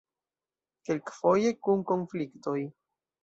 Kelkfoje kun konfliktoj.